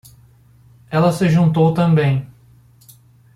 Ela se juntou também.